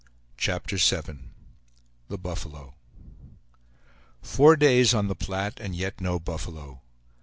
CHAPTER VII THE BUFFALO Four days on the Platte, and yet no buffalo!